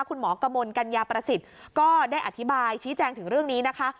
คุณหมอกระมวลกัญญาประสิทธิ์ก็ได้อธิบายชี้แจงถึงเรื่องนี้นะคะ